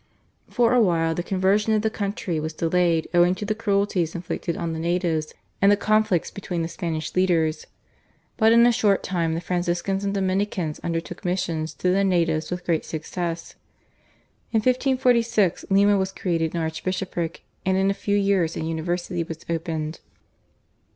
For a while the conversion of the country was delayed owing to the cruelties inflicted on the natives and the conflicts between the Spanish leaders, but in a short time the Franciscans and Dominicans undertook missions to the natives with great success. In 1546 Lima was created an archbishopric, and in a few years a university was opened.